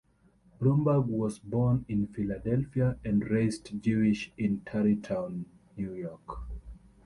Bromberg was born in Philadelphia and raised Jewish in Tarrytown, New York.